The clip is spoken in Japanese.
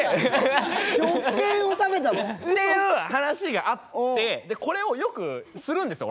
食券を食べたの？っていう話があってこれをよくするんですよ